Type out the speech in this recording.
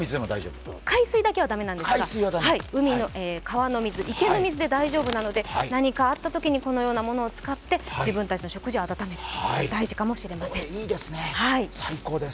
海水だけは駄目なんですが川の水、池の水で大丈夫なので、何かあったときにこのようなものを使って自分たちの食事を温めるのもいいですね、最高です。